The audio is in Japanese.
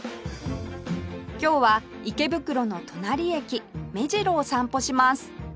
今日は池袋の隣駅目白を散歩します